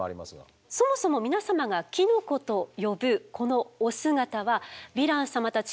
そもそも皆様がキノコと呼ぶこのお姿はヴィラン様たち